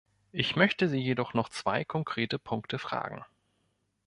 Ich möchte Sie jedoch noch zwei konkrete Punkte fragen.